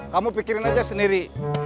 kamu pikirin aja sendiri